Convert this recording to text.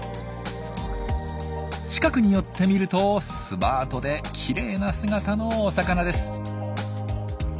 近くに寄って見るとスマートできれいな姿のお魚です。